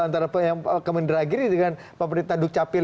antara kemenderagiri dengan pemerintah dukcapil